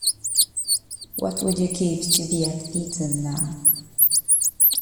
What would you give to be at Eton now?